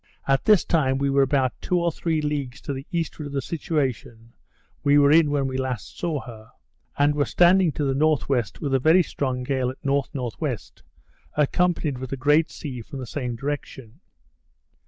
At this time we were about two or three leagues to the eastward of the situation we were in when we last saw her; and were standing to the westward with a very strong gale at N.N.W., accompanied with a great sea from the same direction.